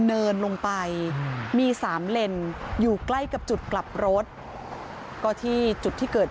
เนินลงไปมีสามเลนอยู่ใกล้กับจุดกลับรถก็ที่จุดที่เกิด